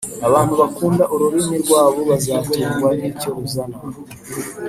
abantu bakunda ururimi rwabo bazatungwa n’icyo ruzana